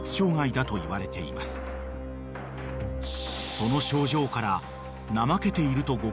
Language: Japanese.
［その症状から］